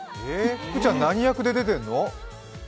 福ちゃん何役で出てるの？